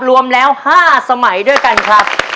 รวมแล้ว๕สมัยด้วยกันครับ